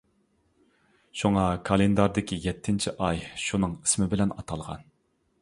شۇڭا كالېنداردىكى يەتتىنچى ئاي شۇنىڭ ئىسمى بىلەن ئاتالغان.